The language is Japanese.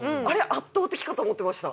圧倒的かと思ってました。